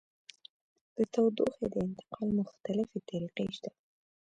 د تودوخې د انتقال مختلفې طریقې شته.